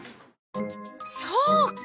そうか！